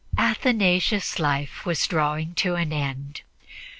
Athanasius' life was drawing to an end.